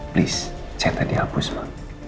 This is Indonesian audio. please cek tadi hapus ma